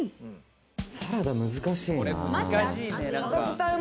サラダ難しいなぁ。